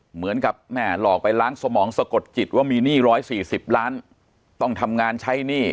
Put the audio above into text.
เหมือนกับแม่หลอกไปล้างสมองสะกดจิตว่ามีหนี้๑๔๐ล้านต้องทำงานใช้หนี้